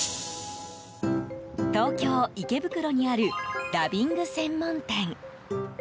東京・池袋にあるダビング専門店。